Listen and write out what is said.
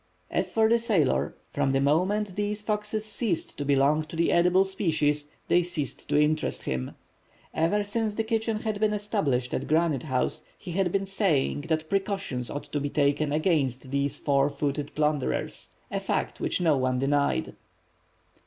As for the sailor, from the moment these foxes ceased to belong to the edible species, they ceased to interest him. Ever since the kitchen had been established at Granite House he had been saying that precautions ought to be taken against these four footed plunderers. A fact which no one denied.